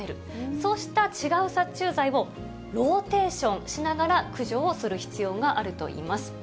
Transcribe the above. そうした違う殺虫剤をローテーションしながら駆除をする必要があるといいます。